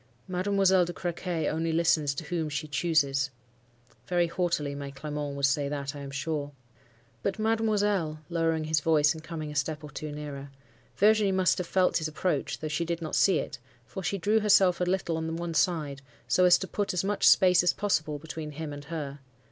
"'Mademoiselle de Crequy only listens to whom she chooses.' Very haughtily my Clement would say that, I am sure. "'But, mademoiselle,'—lowering his voice, and coming a step or two nearer. Virginie must have felt his approach, though she did not see it; for she drew herself a little on one side, so as to put as much space as possible between him and her.